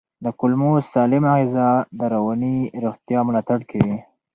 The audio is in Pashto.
د کولمو سالمه غذا د رواني روغتیا ملاتړ کوي.